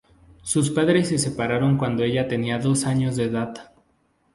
Sus padres se separaron cuando ella tenía dos años de edad.